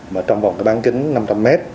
mà trong vòng cái bán kính năm trăm linh mét